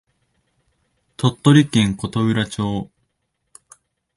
鳥取県琴浦町